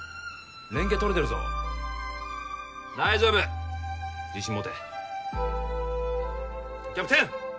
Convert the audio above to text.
連携取れてるぞ大丈夫自信持てキャプテン